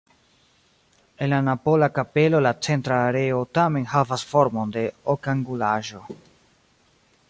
En la napola kapelo la centra areo tamen havas formon de okangulaĵo.